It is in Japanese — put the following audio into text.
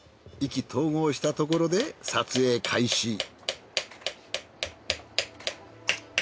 意気投合したところで撮影開始。